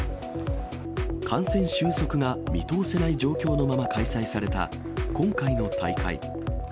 感染収束が見通せない状況のまま開催された今回の大会。